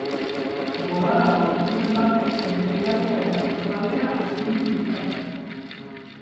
Bolada bortitzen batek mendialdea eta kostaldea astindu ditzake.